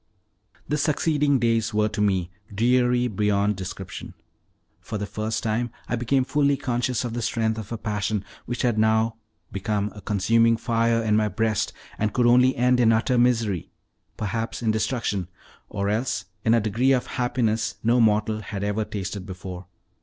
The succeeding days were to me dreary beyond description. For the first time I became fully conscious of the strength of a passion which had now become a consuming fire in my breast, and could only end in utter misery perhaps in destruction or else in a degree of happiness no mortal had ever tasted before.